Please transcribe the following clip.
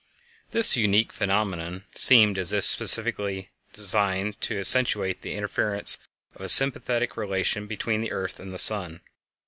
_ This unique phenomenon seemed as if specially designed to accentuate the inference of a sympathetic relation between the earth and the sun.